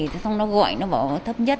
xong nó gọi nó bảo là thấp nhất